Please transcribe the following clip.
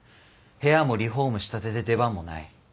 部屋もリフォームしたてで出番もない。